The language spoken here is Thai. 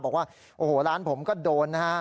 บอกว่าโอ้โหร้านผมก็โดนนะฮะ